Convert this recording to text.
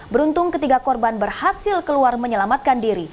beruntung ketiga korban berhasil keluar menyelamatkan diri